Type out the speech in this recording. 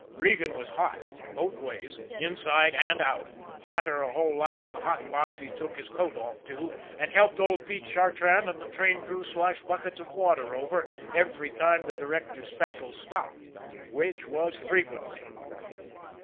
Regan was hot both ways inside and out; hotter a whole lot than the hot box he took his coat off to, and helped old Pete Chartrand and the train crew slosh buckets of water over every time the Directors' Special stopped, which was frequently.